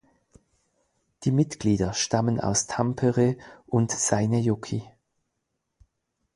Die Mitglieder stammen aus Tampere und Seinäjoki.